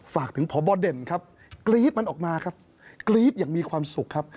ฝากถึงพบเด่นครับกรี๊ดมันออกมาครับกรี๊ดอย่างมีความสุขครับ